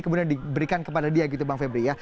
kemudian diberikan kepada dia gitu bang febri ya